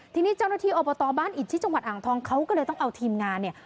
ทีนี้เจ้าหน้าที่อบตบ้านอิดที่จังหวัดอ่างทองเขาก็เลยต้องเอาทีมงานเนี่ย